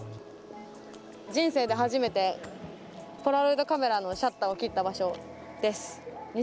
人生で初めてポラロイドカメラのシャッターを切った場所です。